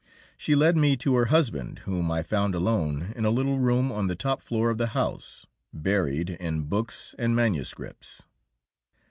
She led me to her husband, whom I found alone in a little room on the top floor of the house, buried in books and manuscripts.